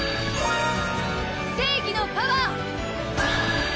正義のパワー！